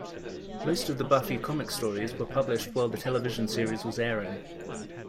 Most of the Buffy comic stories were published while the television series was airing.